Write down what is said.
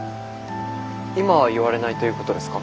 今は言われないということですか？